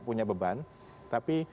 punya beban tapi